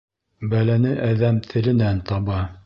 Бәләне әҙәм теленән таба